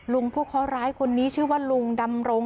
ผู้เคาะร้ายคนนี้ชื่อว่าลุงดำรง